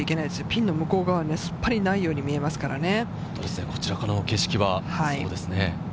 ピンの向こう側はスッパリないように見えますからね。